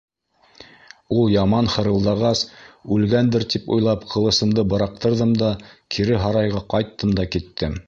Ул яман хырылдағас, үлгәндер тип уйлап, ҡылысымды быраҡтырҙым да кире һарайға ҡайттым да киттем.